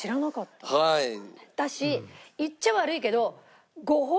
私言っちゃ悪いけど５本？